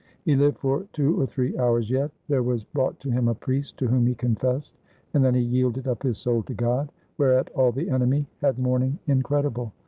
He lived for two or three hours yet. There was brought to him a priest to whom he confessed, and then he yielded up his soul to God ; whereat all the enemy had mourning incredible.